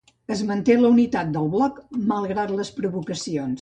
Es manté la unitat del bloc malgrat les provocacions.